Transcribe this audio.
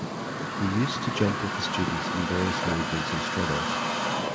He used to jump with the students in various movements and struggles.